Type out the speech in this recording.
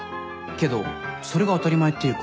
けどそれが当たり前っていうか。